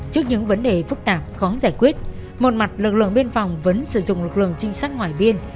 trước những vấn đề phức tạp khó giải quyết một mặt lực lượng biên phòng vẫn sử dụng lực lượng trinh sát ngoại biên